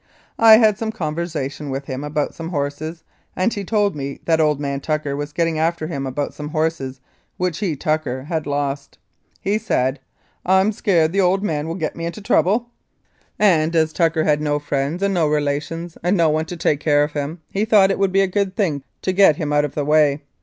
I had some conversation with him about some horses, and he told me that old man Tucker was getting after him about some horses, which he, Tucker, had lost. He said, ' I'm scared the old man will get me into trouble,' and as Tucker had no 241 Mounted Police Life in Canada friends and no relations and no one to take care of him, he thought it would be a good thing to get him out of the way.